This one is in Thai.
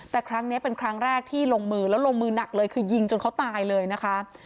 แต่ครั้งนี้เป็นครั้งแรกที่ลงมือแล้วลงมือหนักเลยคือยิงจนเขาตายเลยนะคะ